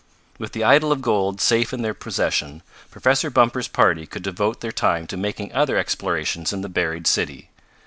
With the idol of gold safe in their possession, Professor Bumper's party could devote their time to making other explorations in the buried city.